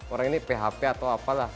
orang ini php atau apalah